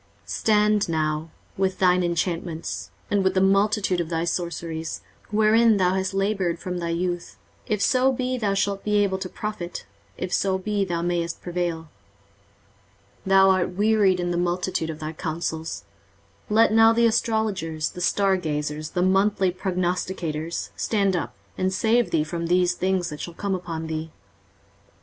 23:047:012 Stand now with thine enchantments, and with the multitude of thy sorceries, wherein thou hast laboured from thy youth; if so be thou shalt be able to profit, if so be thou mayest prevail. 23:047:013 Thou art wearied in the multitude of thy counsels. Let now the astrologers, the stargazers, the monthly prognosticators, stand up, and save thee from these things that shall come upon thee.